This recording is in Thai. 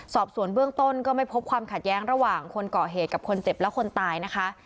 สอบสวนเบื้องต้นก็ไม่พบความขัดแย้งระหว่างคนเกาะเหตุกับคนเจ็บและคนตายนะคะ